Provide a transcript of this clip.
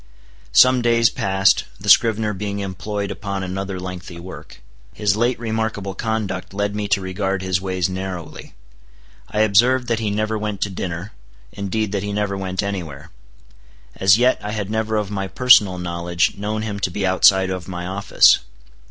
Some days passed, the scrivener being employed upon another lengthy work. His late remarkable conduct led me to regard his ways narrowly. I observed that he never went to dinner; indeed that he never went any where. As yet I had never of my personal knowledge known him to be outside of my office.